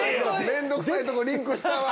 面倒くさいとこリンクしたわ